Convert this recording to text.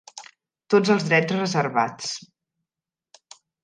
Tots els drets reservats.